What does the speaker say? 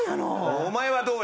お前はどうやねん？